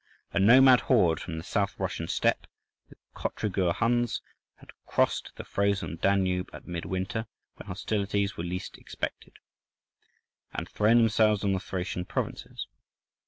A nomad horde from the South Russian steppes, the Cotrigur Huns, had crossed the frozen Danube at mid winter, when hostilities were least expected, and thrown themselves on the Thracian provinces.